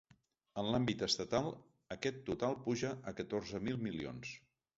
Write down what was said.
En l’àmbit estatal, aquest total puja a catorze mil milions.